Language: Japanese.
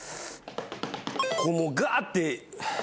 これもうガーッて。